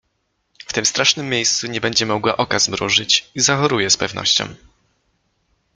W tym strasznym miejscu nie będzie mogła oka zmrużyć i zachoruje z pewnością.